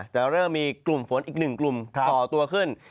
จะเริ่มมีกลุ่มฝนอีกหนึ่งกลุ่มก่อตัวขึ้น